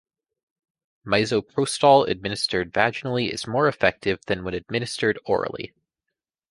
Misoprostol administered vaginally is more effective than when administered orally.